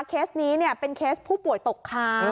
เคสนี้เป็นเคสผู้ป่วยตกค้าง